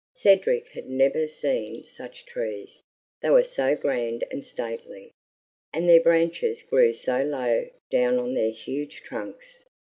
Cedric had never seen such trees, they were so grand and stately, and their branches grew so low down on their huge trunks.